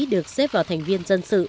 được xếp vào thành viên dân sự